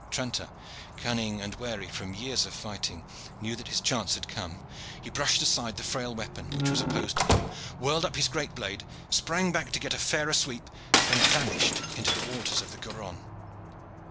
Tranter, cunning and wary from years of fighting, knew that his chance had come. He brushed aside the frail weapon which was opposed to him, whirled up his great blade, sprang back to get the fairer sweep and vanished into the waters of the Garonne.